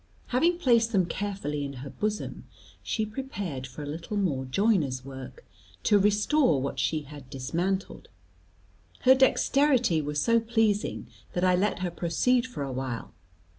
Having placed them carefully in her bosom, she prepared for a little more joiner's work, to restore what she had dismantled. Her dexterity was so pleasing, that I let her proceed for a while.